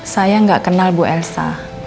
saya nggak kenal bu elsa